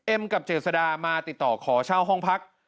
กับเจษดามาติดต่อขอเช่าห้องพัก